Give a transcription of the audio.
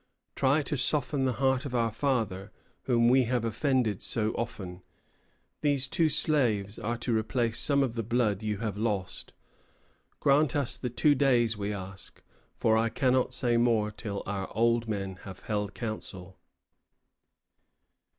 Try to soften the heart of our father, whom we have offended so often. These two slaves are to replace some of the blood you have lost. Grant us the two days we ask, for I cannot say more till our old men have held counsel."